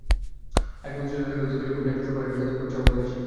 একমুখী চলাচলের কারণে দুই পাশে যানজট হওয়ার পাশাপাশি সেতুর ওপর চাপও বেড়েছে।